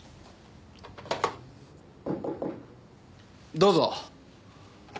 どうぞ。